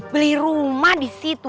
beli rumah di situ